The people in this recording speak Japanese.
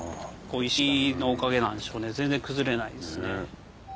石のおかげなんでしょうね全然崩れないですね。